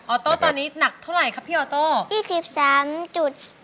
ออโต้ตอนนี้หนักเท่าไหร่ครับพี่ออโต้